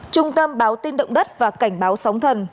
trung tâm báo tin động đất và cảnh báo sóng thần